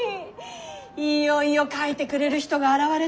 いよいよ書いてくれる人が現れたのね